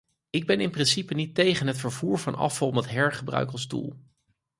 Ik ben in principe niet tegen het vervoer van afval met hergebruik als doel.